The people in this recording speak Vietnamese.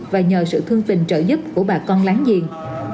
và nhờ sự thương tình trợ giúp của bà con láng giềng